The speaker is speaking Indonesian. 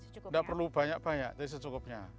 tidak perlu banyak banyak tapi secukupnya